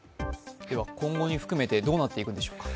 今後、含めてどうなっていくんでしょうか。